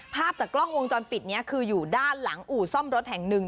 ภาพจากกล้องวงจรปิดนี้คืออยู่ด้านหลังอู่ซ่อมรถแห่งหนึ่ง